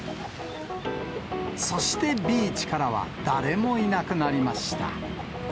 そしてビーチからは誰もいなくなりました。